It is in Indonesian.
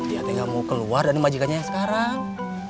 ya saya nggak mau keluar dari majikan saya sekarang